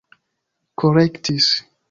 korektis